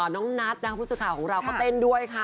น้องนัทธ์น้องพระภาพภาพของเราเขาเต้นด้วยค่ะ